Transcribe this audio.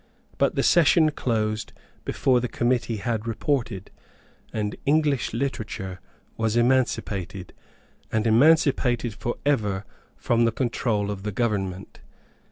But the session closed before the committee had reported; and English literature was emancipated, and emancipated for ever, from the control of the government.